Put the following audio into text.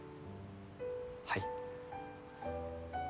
はい。